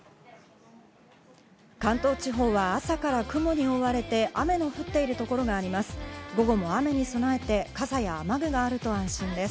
関東地方は朝から雲に覆われて雨の降っているところがあります。